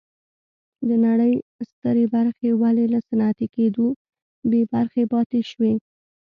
د نړۍ سترې برخې ولې له صنعتي کېدو بې برخې پاتې شوې.